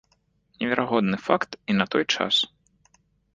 Неверагодны факт і на той час.